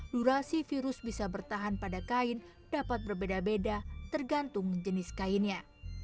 durasi virus bisa bertahan pada kain dapat berbeda beda tergantung jenis kainnya